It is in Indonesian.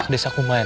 ke desa kumayan